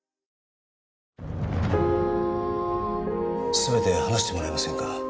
全て話してもらえませんか。